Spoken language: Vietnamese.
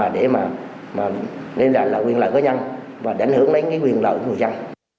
để nên là quyền lợi của nhân và đảnh hưởng đến quyền lợi của dân